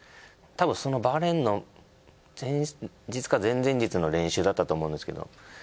たぶんそのバーレーンの前日か前々日の練習だったと思うんですけど。